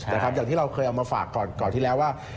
อย่างที่เราเคยเอามาฝากก่อนที่แล้วว่า